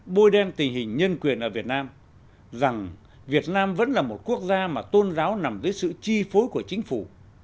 bôi đen tình hình nhân quyền ở việt nam rằng việt nam vẫn là một quốc gia mà tôn giáo nằm dưới sự chi phối của chính phủ